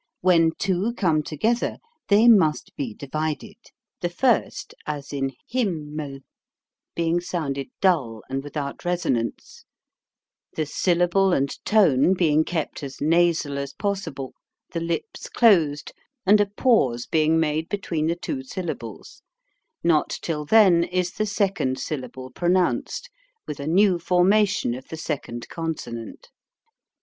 When two come together, they must be divided; the first, as in Him mel, being sounded dull, and without resonance, the syllable and tone being kept as nasal as pos 233 234 HOW TO SING sible, the lips closed, and a pause being made between the two syllables; not till then is the second syllable pronounced, with a new formation of the second consonant.